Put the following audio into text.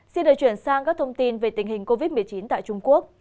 xin được chuyển sang các thông tin về tình hình covid một mươi chín tại trung quốc